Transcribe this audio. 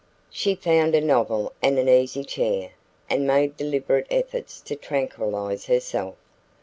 She found a novel and an easy chair, and made deliberate efforts to tranquillise herself.